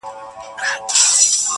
سپين لاسونه د ساقي به چيري وېشي-